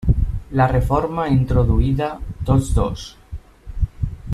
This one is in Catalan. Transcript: La reforma introduïda tots dos.